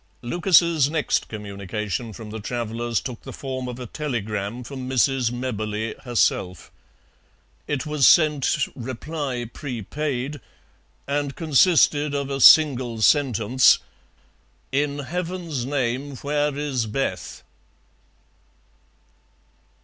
Lucas's next communication from the travellers took the form of a telegram from Mrs. Mebberley herself. It was sent "reply prepaid," and consisted of a single sentence: "In Heaven's name, where is Beth?"